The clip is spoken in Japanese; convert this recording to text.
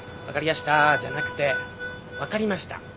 分かりやしたじゃなくて分かりました。